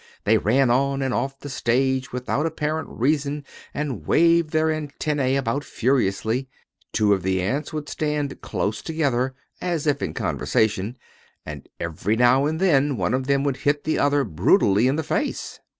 They ran on and off the stage without apparent reason and waved their antennæ about furiously. Two of the ants would stand close together as if in conversation, and every now and then one of them would hit the other brutally in the face.